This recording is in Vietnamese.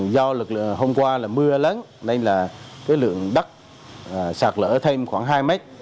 do hôm qua mưa lớn nên lượng đất sạt lỡ thêm khoảng hai mét